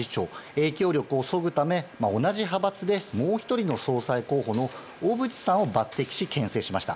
影響力をそぐため同じ派閥でもう１人の総裁候補の小渕さんを抜擢し、牽制しました。